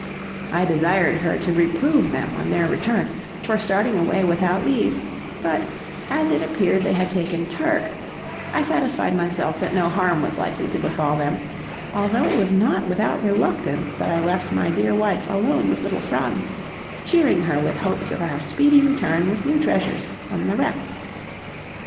I desired her to reprove them, on their return, for starting away without leave; but, as it appeared they had taken Turk, I satisfied myself that no harm was likely to befall them, although it was not without reluctance that I left my dear wife alone with little Franz, cheering her with hopes of our speedy return with new treasures from the wreck.